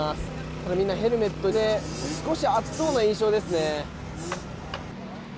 ただ、みんなヘルメットで少し暑そうな印象ですね。